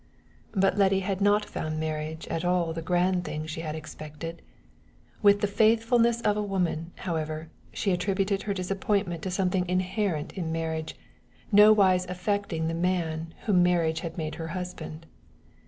But Letty had not found marriage at all the grand thing she had expected. With the faithfulness of a woman, however, she attributed her disappointment to something inherent in marriage, nowise affecting the man whom marriage had made her husband.